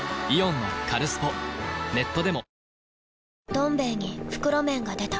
「どん兵衛」に袋麺が出た